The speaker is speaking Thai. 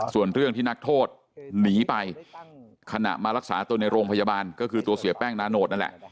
ส่วนเรื่องที่นักโทษหนีไปขณะมารักษาตัวในโรงพยาบาลก็คือตัวเสียแป้งนาโนตนั่นแหละ